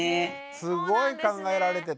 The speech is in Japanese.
すごい考えられてて。